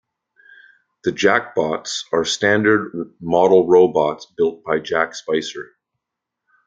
The "Jack-Bots" are standard model robots built by Jack Spicer.